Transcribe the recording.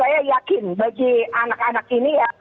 saya yakin bagi anak anak ini ya